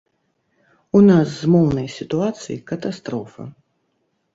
У нас з моўнай сітуацыяй катастрофа.